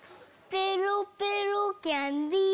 「ペロペロキャンディー」